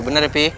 bener ya peh